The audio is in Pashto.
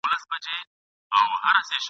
په دې ډند کي هره ورځ دغه کیسه وه !.